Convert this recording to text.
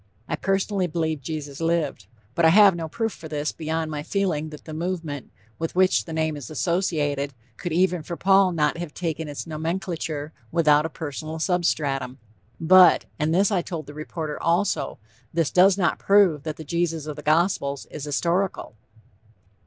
I personally believe Jesus lived. But I have no proof for this beyond my feeling that the movement with which the name is associated could even for Paul not have taken its nomenclature without a personal substratum. But, and this I told the reporter also, this does not prove that the Jesus of the Gospels is historical."